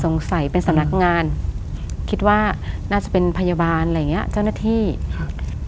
สงสัยเป็นสำนักงานคิดว่าน่าจะเป็นพยาบาลอะไรอย่างเงี้ยเจ้าหน้าที่ครับ